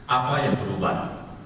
apa yang berubah